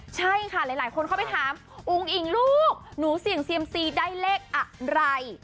ใช่ค่ะหลายคนเข้าไปถามอุ้งอิงลูกหนูเสี่ยงเซียมซีได้เลขอะไร